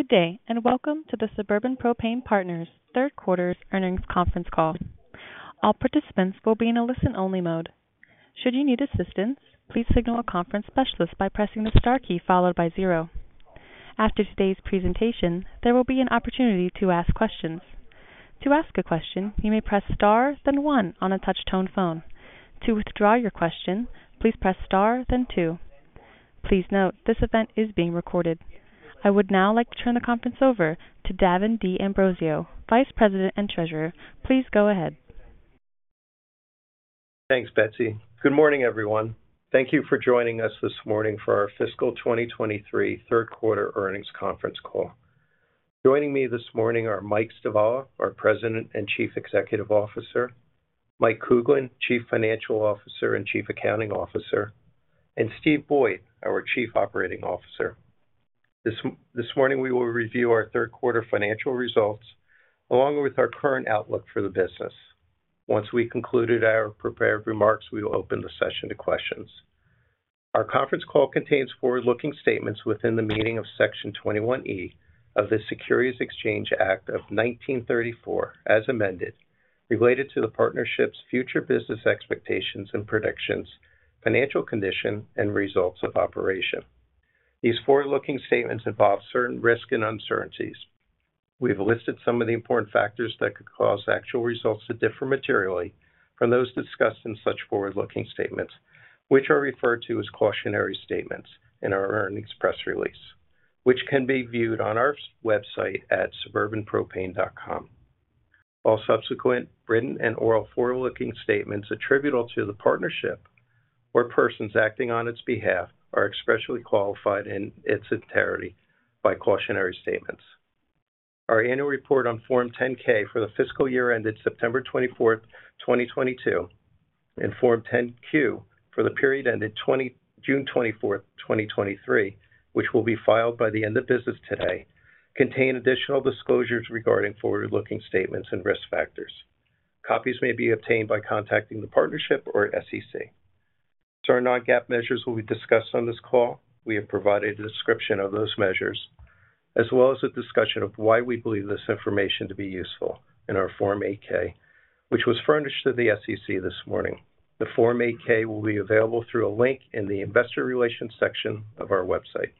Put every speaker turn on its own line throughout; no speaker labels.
Good day, and welcome to the Suburban Propane Partners third quarter earnings conference call. All participants will be in a listen-only mode. Should you need assistance, please signal a conference specialist by pressing the star key followed by zero. After today's presentation, there will be an opportunity to ask questions. To ask a question, you may press Star, then one on a touch-tone phone. To withdraw your question, please press Star, then two. Please note, this event is being recorded. I would now like to turn the conference over to Davin D'Ambrosio, Vice President and Treasurer. Please go ahead.
Thanks, Betsy. Good morning, everyone. Thank you for joining us this morning for our fiscal 2023 third quarter earnings conference call. Joining me this morning are Mike Stivala, our President and Chief Executive Officer, Mike Kuglin, Chief Financial Officer and Chief Accounting Officer, and Steve Boyd, our Chief Operating Officer. This morning, we will review our third quarter financial results, along with our current outlook for the business. Once we concluded our prepared remarks, we will open the session to questions. Our conference call contains forward-looking statements within the meaning of Section 21E of the Securities Exchange Act of 1934, as amended, related to the partnership's future business expectations and predictions, financial condition, and results of operation. These forward-looking statements involve certain risks and uncertainties. We've listed some of the important factors that could cause actual results to differ materially from those discussed in such forward-looking statements, which are referred to as cautionary statements in our earnings press release, which can be viewed on our website at suburbanpropane.com. All subsequent written and oral forward-looking statements attributable to the partnership or persons acting on its behalf are expressly qualified in its entirety by cautionary statements. Our annual report on Form 10-K for the fiscal year ended September 24th, 2022, and Form 10-Q for the period ended June 24th, 2023, which will be filed by the end of business today, contain additional disclosures regarding forward-looking statements and risk factors. Copies may be obtained by contacting the partnership or SEC. Certain non-GAAP measures will be discussed on this call. We have provided a description of those measures, as well as a discussion of why we believe this information to be useful in our Form 8-K, which was furnished to the SEC this morning. The Form 8-K will be available through a link in the Investor Relations section of our website.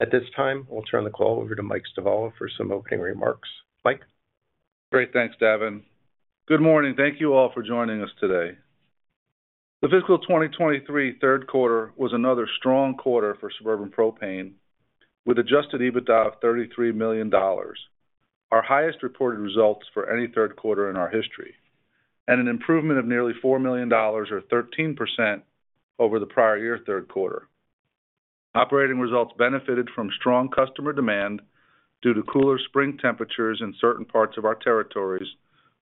At this time, I'll turn the call over to Mike Stavola for some opening remarks. Mike?
Great, thanks, Davin. Good morning. Thank you all for joining us today. The fiscal 2023 third quarter was another strong quarter for Suburban Propane, with adjusted EBITDA of $33 million, our highest reported results for any third quarter in our history, and an improvement of nearly $4 million or 13% over the prior year third quarter. Operating results benefited from strong customer demand due to cooler spring temperatures in certain parts of our territories,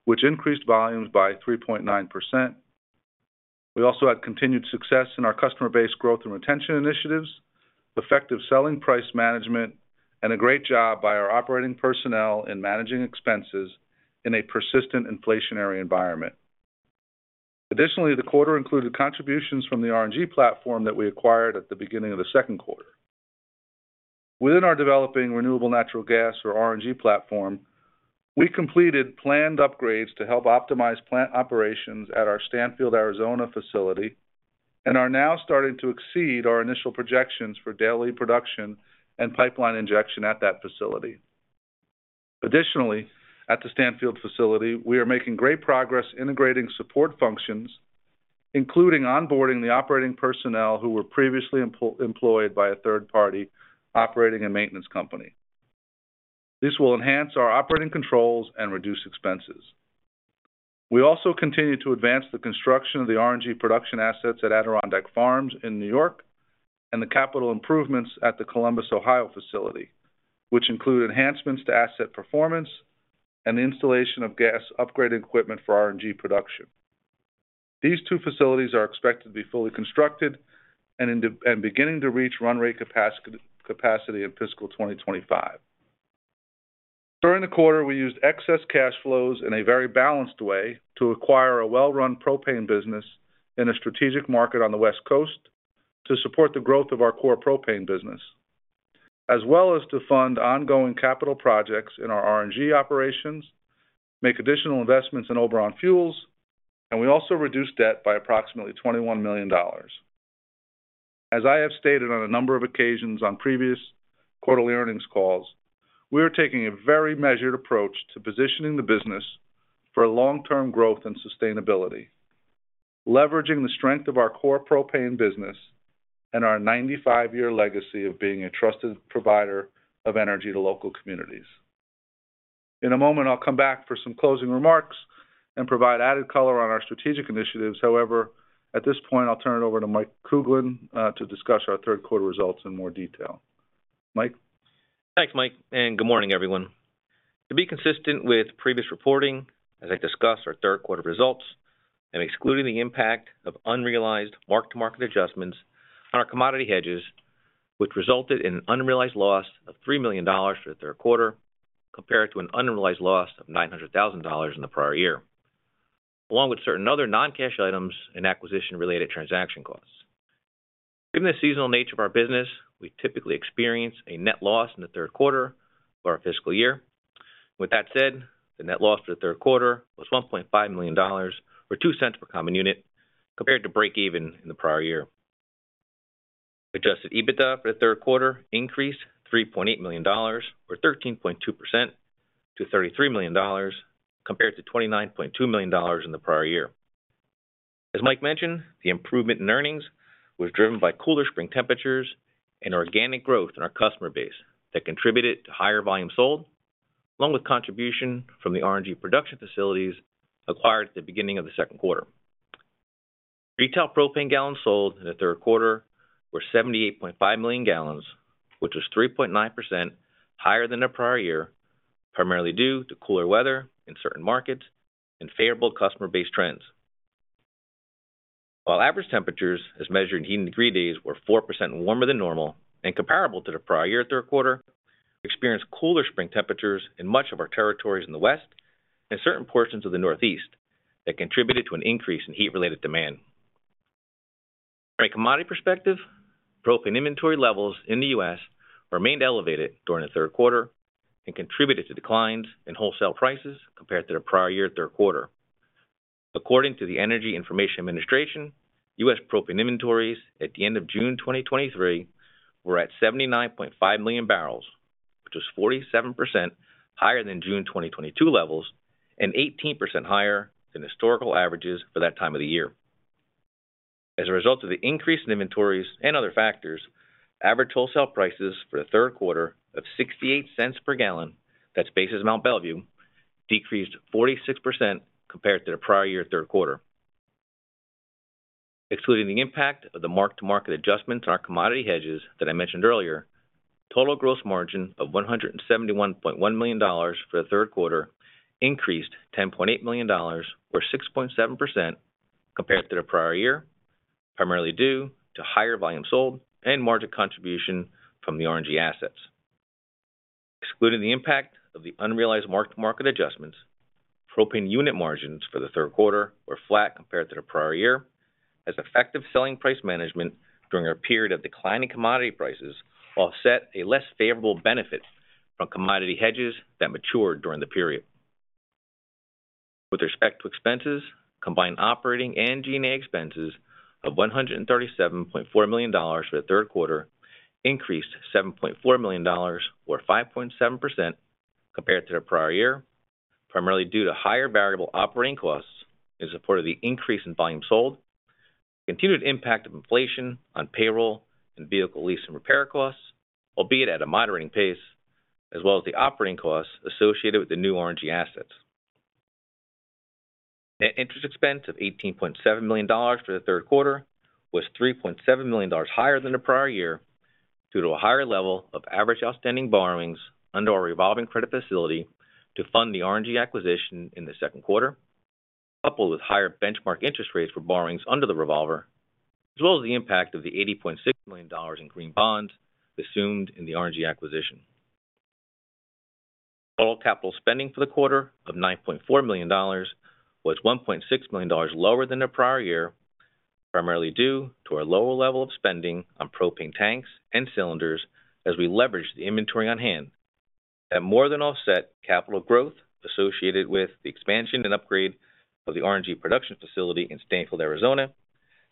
which increased volumes by 3.9%. We also had continued success in our customer base growth and retention initiatives, effective selling price management, and a great job by our operating personnel in managing expenses in a persistent inflationary environment. Additionally, the quarter included contributions from the RNG platform that we acquired at the beginning of the second quarter. Within our developing renewable natural gas or RNG platform, we completed planned upgrades to help optimize plant operations at our Stanfield, Arizona, facility and are now starting to exceed our initial projections for daily production and pipeline injection at that facility. Additionally, at the Stanfield facility, we are making great progress integrating support functions, including onboarding the operating personnel who were previously employed by a third-party operating and maintenance company. This will enhance our operating controls and reduce expenses. We also continue to advance the construction of the RNG production assets at Adirondack Farms in New York and the capital improvements at the Columbus, Ohio, facility, which include enhancements to asset performance and installation of gas upgraded equipment for RNG production. These two facilities are expected to be fully constructed and beginning to reach run rate capacity in fiscal 2025. During the quarter, we used excess cash flows in a very balanced way to acquire a well-run propane business in a strategic market on the West Coast to support the growth of our core propane business, as well as to fund ongoing capital projects in our RNG operations, make additional investments in Oberon Fuels, we also reduced debt by approximately $21 million. As I have stated on a number of occasions on previous quarterly earnings calls, we are taking a very measured approach to positioning the business for long-term growth and sustainability, leveraging the strength of our core propane business and our 95-year legacy of being a trusted provider of energy to local communities. In a moment, I'll come back for some closing remarks and provide added color on our strategic initiatives. However, at this point, I'll turn it over to Mike Kuglin, to discuss our third quarter results in more detail. Mike?
Thanks, Mike, and good morning, everyone. To be consistent with previous reporting, as I discuss our third quarter results and excluding the impact of unrealized mark-to-market adjustments on our commodity hedges, which resulted in an unrealized loss of $3 million for the third quarter, compared to an unrealized loss of $900,000 in the prior year. Along with certain other non-cash items and acquisition-related transaction costs. Given the seasonal nature of our business, we typically experience a net loss in the third quarter of our fiscal year. With that said, the net loss for the third quarter was $1.5 million, or $0.02 per common unit, compared to break even in the prior year. Adjusted EBITDA for the third quarter increased $3.8 million, or 13.2%, to $33 million, compared to $29.2 million in the prior year. As Mike mentioned, the improvement in earnings was driven by cooler spring temperatures and organic growth in our customer base that contributed to higher volume sold, along with contribution from the RNG production facilities acquired at the beginning of the second quarter. Retail propane gallons sold in the third quarter were 78.5 million gallons, which was 3.9% higher than the prior year, primarily due to cooler weather in certain markets and favorable customer base trends. While average temperatures as measured in degree days were 4% warmer than normal and comparable to the prior year third quarter, experienced cooler spring temperatures in much of our territories in the West and certain portions of the Northeast that contributed to an increase in heat-related demand. From a commodity perspective, propane inventory levels in the U.S. remained elevated during the third quarter and contributed to declines in wholesale prices compared to the prior year third quarter. According to the Energy Information Administration, US propane inventories at the end of June 2023 were at 79.5 million barrels, which was 47% higher than June 2022 levels and 18% higher than historical averages for that time of the year. As a result of the increase in inventories and other factors, average wholesale prices for the third quarter of $0.68 per gallon, that's basis Mont Belvieu, decreased 46% compared to the prior year third quarter. Excluding the impact of the mark-to-market adjustments on our commodity hedges that I mentioned earlier, total gross margin of $171.1 million for the third quarter increased $10.8 million, or 6.7%, compared to the prior year, primarily due to higher volume sold and margin contribution from the RNG assets. Excluding the impact of the unrealized mark-to-market adjustments, propane unit margins for the third quarter were flat compared to the prior year, as effective selling price management during a period of declining commodity prices offset a less favorable benefit from commodity hedges that matured during the period. With respect to expenses, combined operating and G&A expenses of $137.4 million for the third quarter increased $7.4 million, or 5.7%, compared to the prior year, primarily due to higher variable operating costs in support of the increase in volume sold, the continued impact of inflation on payroll and vehicle lease and repair costs, albeit at a moderating pace, as well as the operating costs associated with the new RNG assets. Net interest expense of $18.7 million for the third quarter was $3.7 million higher than the prior year due to a higher level of average outstanding borrowings under our revolving credit facility to fund the RNG acquisition in the second quarter, coupled with higher benchmark interest rates for borrowings under the revolver, as well as the impact of the $80.6 million in green bonds assumed in the RNG acquisition. Total capital spending for the quarter of $9.4 million was $1.6 million lower than the prior year, primarily due to our lower level of spending on propane tanks and cylinders as we leveraged the inventory on hand. That more than offset capital growth associated with the expansion and upgrade of the RNG production facility in Stanfield, Arizona,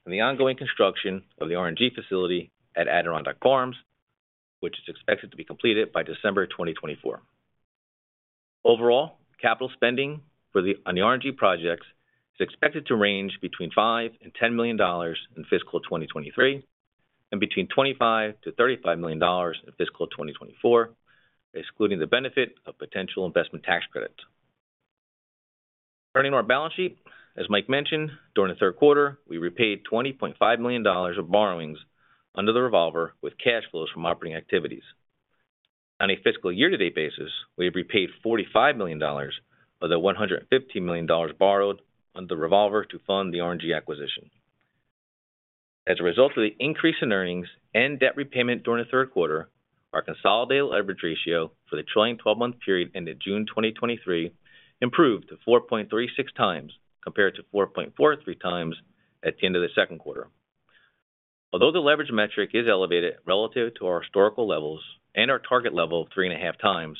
and the ongoing construction of the RNG facility at Adirondack Farms, which is expected to be completed by December 2024. Overall, capital spending on the RNG projects is expected to range between $5 million-$10 million in fiscal 2023 and between $25 million-$35 million in fiscal 2024, excluding the benefit of potential investment tax credits. Turning to our balance sheet, as Mike mentioned, during the third quarter, we repaid $20.5 million of borrowings under the revolver with cash flows from operating activities. On a fiscal year-to-date basis, we have repaid $45 million of the $150 million borrowed under the revolver to fund the RNG acquisition. As a result of the increase in earnings and debt repayment during the third quarter, our consolidated leverage ratio for the trailing twelve-month period ended June 2023 improved to 4.36x, compared to 4.43x at the end of the second quarter. Although the leverage metric is elevated relative to our historical levels and our target level of 3.5x,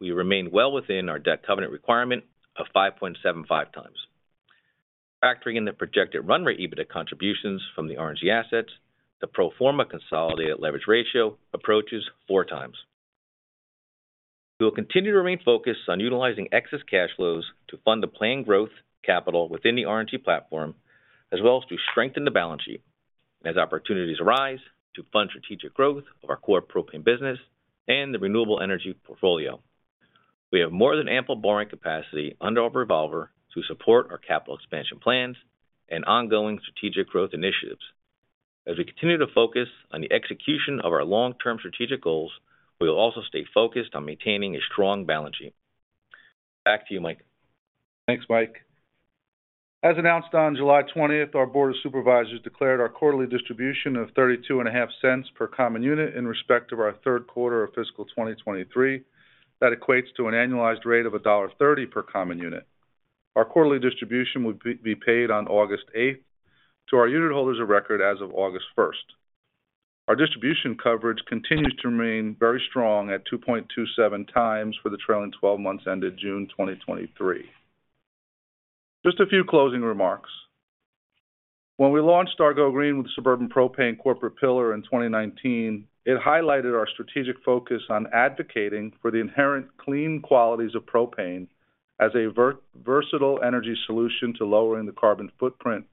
we remain well within our debt covenant requirement of 5.75x. Factoring in the projected run rate EBITDA contributions from the RNG assets, the pro forma consolidated leverage ratio approaches 4x. We will continue to remain focused on utilizing excess cash flows to fund the planned growth capital within the RNG platform, as well as to strengthen the balance sheet and as opportunities arise, to fund strategic growth of our core propane business and the renewable energy portfolio. We have more than ample borrowing capacity under our revolver to support our capital expansion plans and ongoing strategic growth initiatives. As we continue to focus on the execution of our long-term strategic goals, we will also stay focused on maintaining a strong balance sheet. Back to you, Mike.
Thanks, Mike. As announced on July 20th, our Board of Supervisors declared our quarterly distribution of $0.325 per common unit in respect of our 3rd quarter of fiscal 2023. That equates to an annualized rate of $1.30 per common unit. Our quarterly distribution will be paid on August 8th to our unitholders of record as of August 1st. Our distribution coverage continues to remain very strong at 2.27 times for the trailing twelve months ended June 2023. A few closing remarks. When we launched Go Green with Suburban Propane corporate pillar in 2019, it highlighted our strategic focus on advocating for the inherent clean qualities of propane as a versatile energy solution to lowering the carbon footprint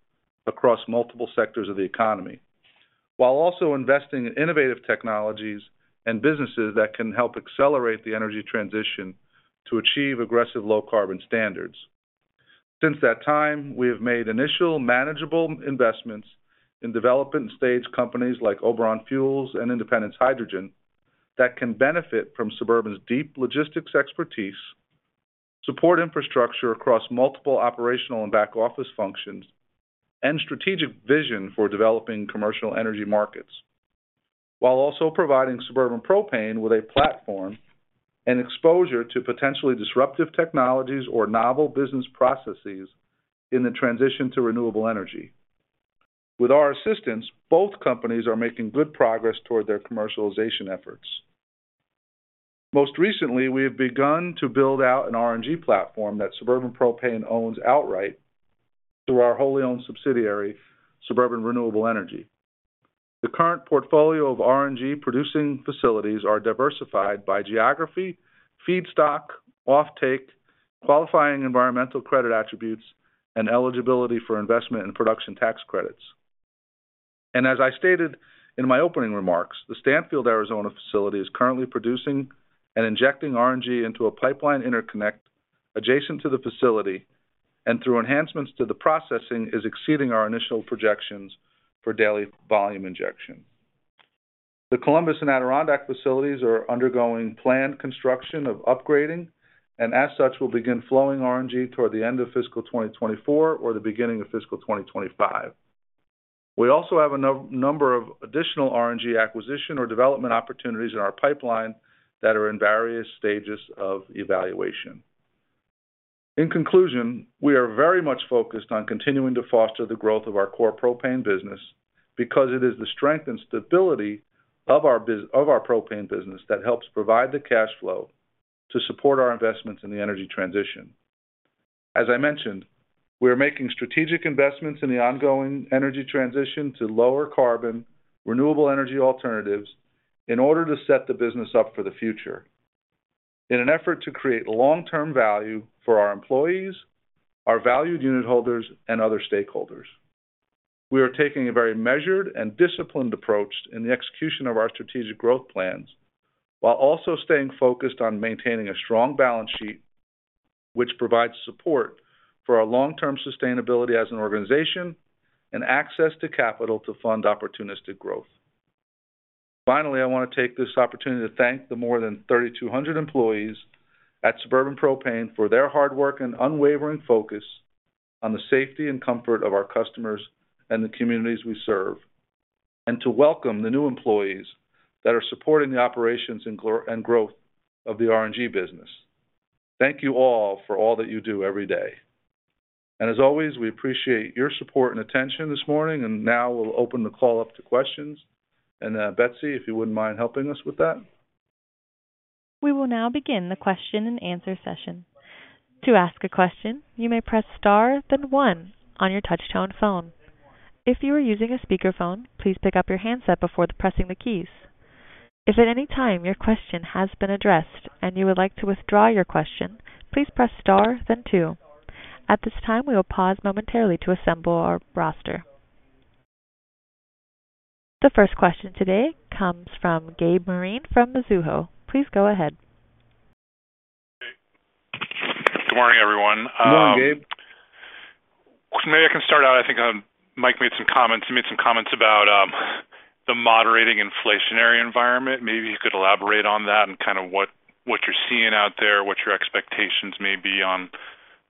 across multiple sectors of the economy, while also investing in innovative technologies and businesses that can help accelerate the energy transition to achieve aggressive low carbon standards. Since that time, we have made initial manageable investments in development stage companies like Oberon Fuels and Independence Hydrogen, that can benefit from Suburban's deep logistics expertise, support infrastructure across multiple operational and back office functions, and strategic vision for developing commercial energy markets, while also providing Suburban Propane with a platform and exposure to potentially disruptive technologies or novel business processes in the transition to renewable energy. With our assistance, both companies are making good progress toward their commercialization efforts. Most recently, we have begun to build out an RNG platform that Suburban Propane owns outright through our wholly owned subsidiary, Suburban Renewable Energy. The current portfolio of RNG producing facilities are diversified by geography, feedstock, offtake, qualifying environmental credit attributes, and eligibility for investment in production tax credits. As I stated in my opening remarks, the Stanfield, Arizona facility is currently producing and injecting RNG into a pipeline interconnect adjacent to the facility, and through enhancements to the processing, is exceeding our initial projections for daily volume injection. The Columbus and Adirondack facilities are undergoing planned construction of upgrading and, as such, will begin flowing RNG toward the end of fiscal 2024 or the beginning of fiscal 2025. We also have a number of additional RNG acquisition or development opportunities in our pipeline that are in various stages of evaluation. In conclusion, we are very much focused on continuing to foster the growth of our core propane business because it is the strength and stability of our of our propane business that helps provide the cash flow to support our investments in the energy transition. As I mentioned, we are making strategic investments in the ongoing energy transition to lower carbon, renewable energy alternatives in order to set the business up for the future in an effort to create long-term value for our employees, our valued unitholders, and other stakeholders. We are taking a very measured and disciplined approach in the execution of our strategic growth plans, while also staying focused on maintaining a strong balance sheet, which provides support for our long-term sustainability as an organization and access to capital to fund opportunistic growth. Finally, I want to take this opportunity to thank the more than 3,200 employees at Suburban Propane for their hard work and unwavering focus on the safety and comfort of our customers and the communities we serve, and to welcome the new employees that are supporting the operations and growth of the RNG business. Thank you all for all that you do every day. As always, we appreciate your support and attention this morning. Now we'll open the call up to questions. Betsy, if you wouldn't mind helping us with that.
We will now begin the question-and-answer session. To ask a question, you may press star, then one on your touchtone phone. If you are using a speakerphone, please pick up your handset before pressing the keys. If at any time your question has been addressed and you would like to withdraw your question, please press star, then two. At this time, we will pause momentarily to assemble our roster. The first question today comes from Gabe Moreen from Mizuho Securities. Please go ahead.
Good morning, everyone.
Good morning, Gabe.
Maybe I can start out. I think, Mike made some comments. He made some comments about the moderating inflationary environment. Maybe you could elaborate on that and kind of what, what you're seeing out there, what your expectations may be on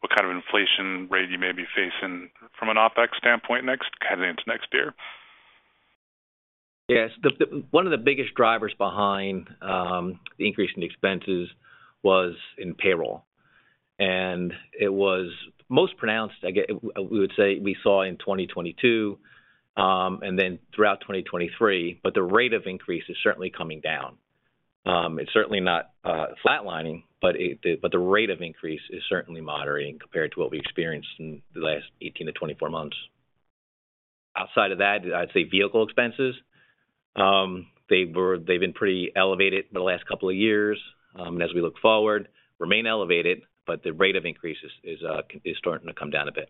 what kind of inflation rate you may be facing from an OpEx standpoint kind of into next year.
Yes. The one of the biggest drivers behind the increase in expenses was in payroll, and it was most pronounced, I get we would say we saw in 2022, and then throughout 2023. The rate of increase is certainly coming down. It's certainly not flatlining, but it, but the rate of increase is certainly moderating compared to what we experienced in the last 18-24 months. Outside of that, I'd say vehicle expenses. They've been pretty elevated for the last 2 years, as we look forward, remain elevated, but the rate of increase is, is, is starting to come down a bit.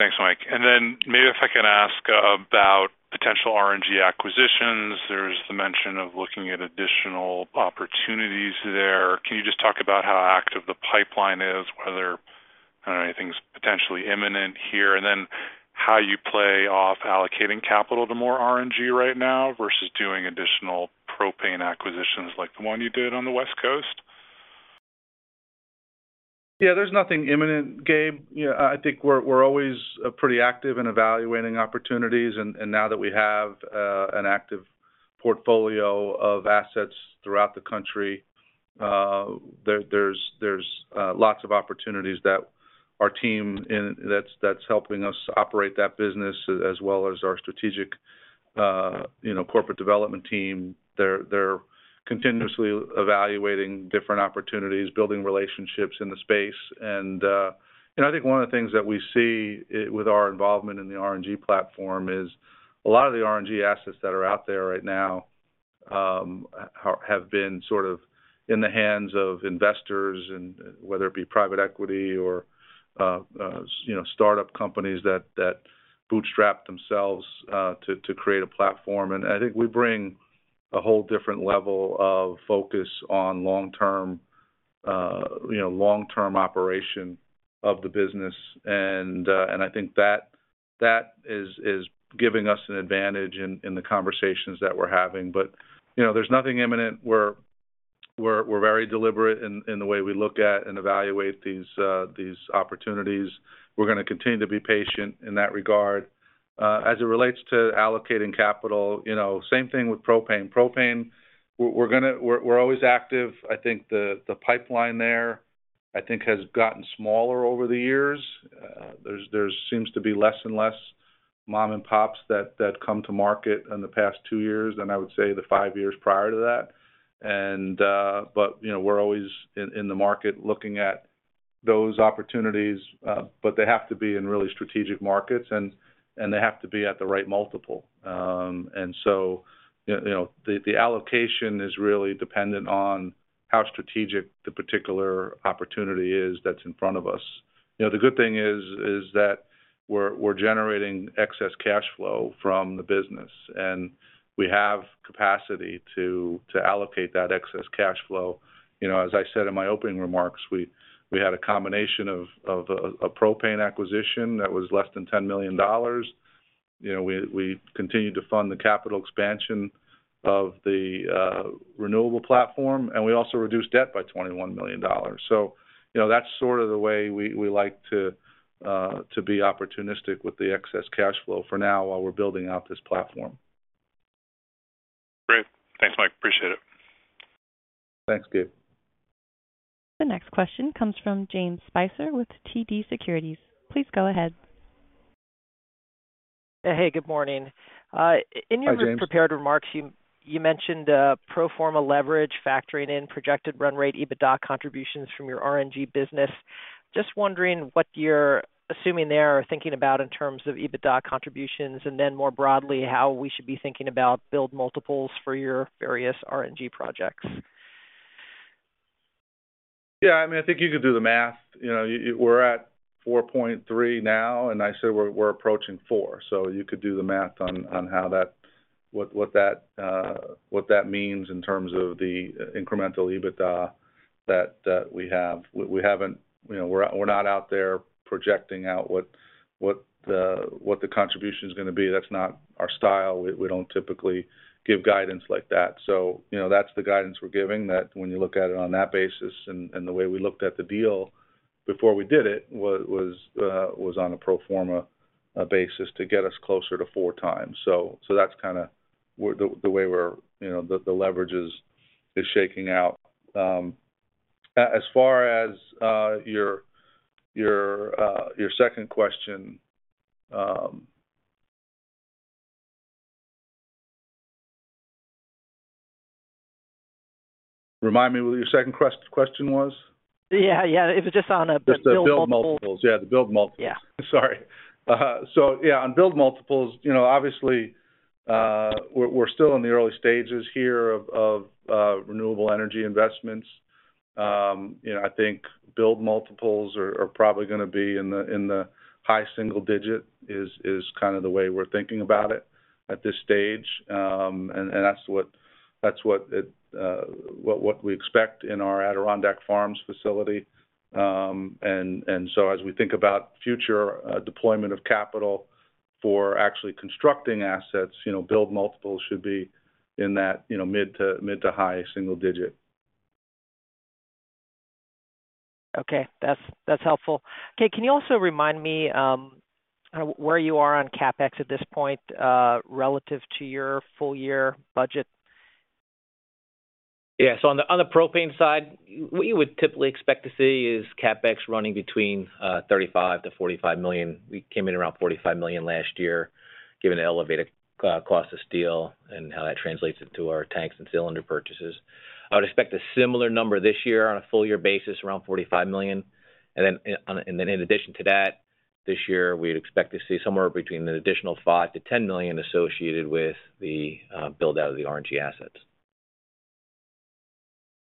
Thanks, Mike. Then maybe if I can ask about potential RNG acquisitions. There's the mention of looking at additional opportunities there. Can you just talk about how active the pipeline is, whether anything's potentially imminent here, and then how you play off allocating capital to more RNG right now versus doing additional propane acquisitions like the one you did on the West Coast?
Yeah, there's nothing imminent, Gabe. You know, I think we're, we're always pretty active in evaluating opportunities. Now that we have an active portfolio of assets throughout the country, there, there's, there's lots of opportunities that our team that's, that's helping us operate that business, as well as our strategic, you know, corporate development team. They're, they're continuously evaluating different opportunities, building relationships in the space. I think one of the things that we see with our involvement in the RNG platform is a lot of the RNG assets that are out there right now, have, have been sort of in the hands of investors and whether it be private equity or, you know, startup companies that, that bootstrap themselves to, to create a platform. I think we bring a whole different level of focus on long-term, you know, long-term operation of the business. I think that, that is, is giving us an advantage in, in the conversations that we're having. You know, there's nothing imminent. We're, we're, we're very deliberate in, in the way we look at and evaluate these opportunities. We're gonna continue to be patient in that regard. As it relates to allocating capital, you know, same thing with propane. Propane, we're, we're gonna-- we're, we're always active. I think the, the pipeline there, I think, has gotten smaller over the years. There's, there's seems to be less and less mom-and-pops that, that come to market in the past 2 years than I would say the 5 years prior to that. You know, we're always in, in the market looking at those opportunities, but they have to be in really strategic markets, and, and they have to be at the right multiple. You know, the allocation is really dependent on how strategic the particular opportunity is that's in front of us. You know, the good thing is, is that we're, we're generating excess cash flow from the business, and we have capacity to, to allocate that excess cash flow. You know, as I said in my opening remarks, we, we had a combination of, of a, a propane acquisition that was less than $10 million. You know, we, we continued to fund the capital expansion of the renewable platform, and we also reduced debt by $21 million. you know, that's sort of the way we, we like to be opportunistic with the excess cash flow for now, while we're building out this platform.
Great. Thanks, Mike. Appreciate it.
Thanks, Gabe.
The next question comes from James Spicer with TD Securities. Please go ahead.
Hey, good morning.
Hi, James.
In your prepared remarks, you mentioned pro forma leverage factoring in projected run rate, EBITDA contributions from your RNG business. Just wondering what you're assuming there or thinking about in terms of EBITDA contributions, and then more broadly, how we should be thinking about build multiples for your various RNG projects?
Yeah, I mean, I think you could do the math. You know, we're at 4.3 now, and I said we're, we're approaching 4. You could do the math on, on what, what that, what that means in terms of the incremental EBITDA that we have. We, we haven't. You know, we're, we're not out there projecting out what, what the, what the contribution is gonna be. That's not our style. We, we don't typically give guidance like that. You know, that's the guidance we're giving, that when you look at it on that basis and, and the way we looked at the deal before we did it, was, was on a pro forma basis to get us closer to 4x. So that's kind of where the, the way we're, you know, the leverage is, is shaking out. As far as your, your, your second question, remind me what your second question was?
Yeah, yeah. It was just on, the build multiple.
Just the build multiples. Yeah, the build multiples.
Yeah.
Sorry. Yeah, on build multiples, you know, obviously, we're, we're still in the early stages here of, of, renewable energy investments. You know, I think build multiples are, are probably gonna be in the, in the high single digit, is, is kind of the way we're thinking about it at this stage. That's what, that's what, what, what we expect in our Adirondack Farms facility. So as we think about future, deployment of capital for actually constructing assets, you know, build multiples should be in that, you know, mid to high single digit.
Okay. That's, that's helpful. Okay, can you also remind me, where you are on CapEx at this point, relative to your full year budget?
Yeah. On the propane side, we would typically expect to see CapEx running between $35 million-$45 million. We came in around $45 million last year, given the elevated cost of steel and how that translates into our tanks and cylinder purchases. I would expect a similar number this year on a full year basis, around $45 million. In addition to that, this year, we'd expect to see somewhere between an additional $5 million-$10 million associated with the build-out of the RNG assets.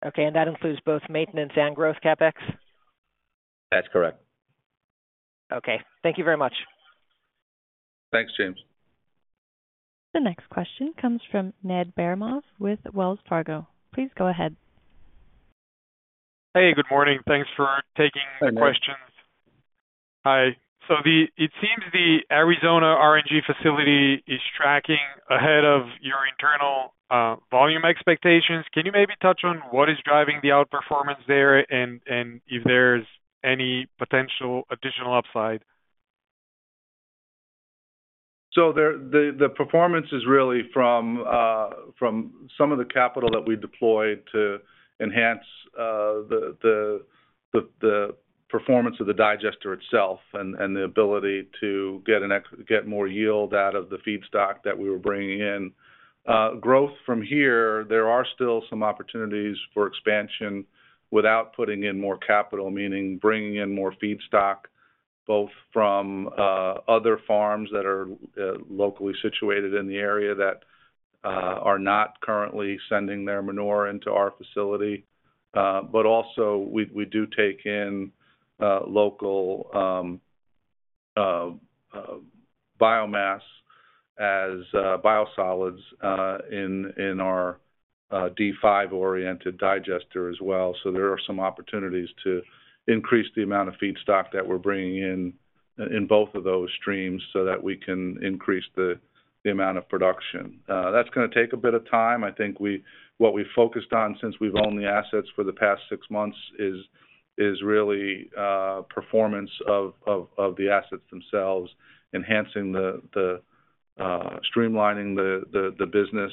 Okay. That includes both maintenance and gross CapEx?
That's correct.
Okay. Thank you very much.
Thanks, James.
The next question comes from Ned Baramov with Wells Fargo. Please go ahead.
Hey, good morning. Thanks for taking the questions.
Hi, Ned.
Hi. It seems the Arizona RNG facility is tracking ahead of your internal volume expectations. Can you maybe touch on what is driving the outperformance there and if there's any potential additional upside?
The performance is really from some of the capital that we deployed to enhance the performance of the digester itself and the ability to get more yield out of the feedstock that we were bringing in. Growth from here, there are still some opportunities for expansion without putting in more capital, meaning bringing in more feedstock, both from other farms that are locally situated in the area that are not currently sending their manure into our facility. Also, we do take in local biomass as biosolids in our D5-oriented digester as well. There are some opportunities to increase the amount of feedstock that we're bringing in, in both of those streams so that we can increase the amount of production. That's going to take a bit of time. I think what we've focused on since we've owned the assets for the past 6 months is, is really performance of, of, of the assets themselves, enhancing the, the streamlining the, the, the business,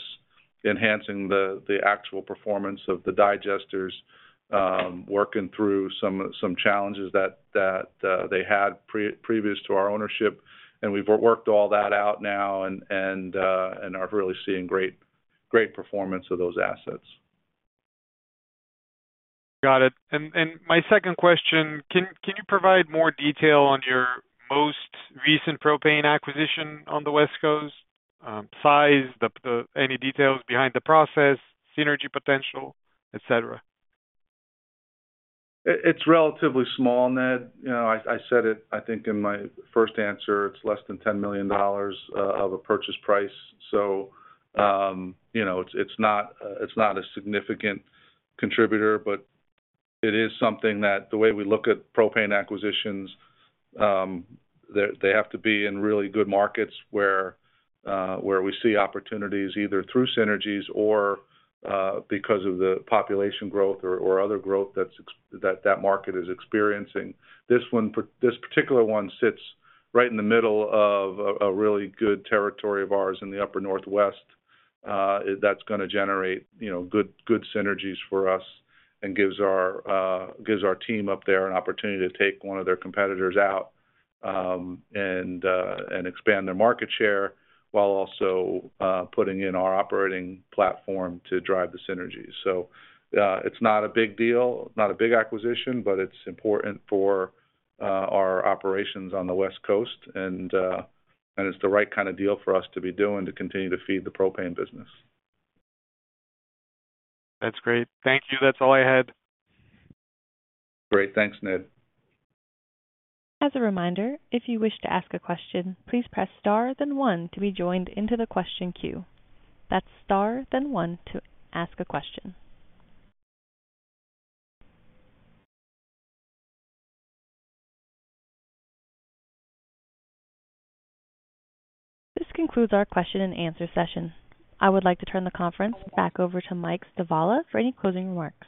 enhancing the, the actual performance of the digesters, working through some, some challenges that, that they had pre-previous to our ownership. We've worked all that out now and, and are really seeing great, great performance of those assets.
Got it. My second question, can, can you provide more detail on your most recent propane acquisition on the West Coast, size, any details behind the process, synergy potential, et cetera?
It's relatively small, Ned. You know, I said it, I think, in my first answer. It's less than $10 million of a purchase price. You know, it's not a significant contributor, but it is something that the way we look at propane acquisitions, they have to be in really good markets where we see opportunities either through synergies or because of the population growth or other growth that that market is experiencing. This one, this particular one sits right in the middle of a really good territory of ours in the upper Northwest. That's going to generate, you know, good, good synergies for us and gives our gives our team up there an opportunity to take one of their competitors out, and and expand their market share, while also putting in our operating platform to drive the synergies. It's not a big deal, not a big acquisition, but it's important for our operations on the West Coast. It's the right kind of deal for us to be doing to continue to feed the propane business.
That's great. Thank you. That's all I had.
Great. Thanks, Ned.
As a reminder, if you wish to ask a question, please press star then one to be joined into the question queue. That's star then one to ask a question. This concludes our question and answer session. I would like to turn the conference back over to Mike Stavola for any closing remarks.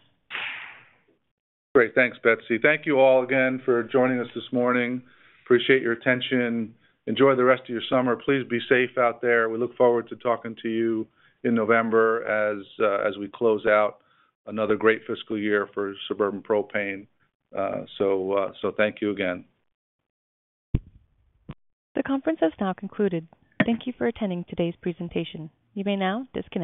Great. Thanks, Betsy. Thank you all again for joining us this morning. Appreciate your attention. Enjoy the rest of your summer. Please be safe out there. We look forward to talking to you in November as we close out another great fiscal year for Suburban Propane. Thank you again.
The conference has now concluded. Thank you for attending today's presentation. You may now disconnect.